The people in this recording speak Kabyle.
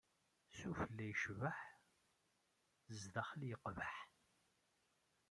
Sufella yecbeḥ, sdaxel yeqbeḥ.